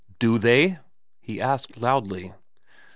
* Do they ?' he asked loudly.